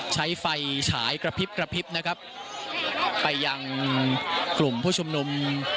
ใช้ไฟฉายกระพริบกระพริบนะครับไปยังกลุ่มผู้ชุมนุม